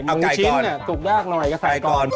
หมูชิ้นสุกยากหน่อยก็ใส่ก่อนไก่ก่อน